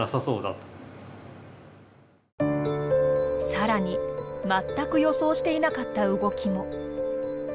更に全く予想していなかった動きも。